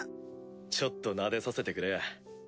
ちょっとなでさせてくれや。